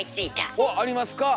おっありますか？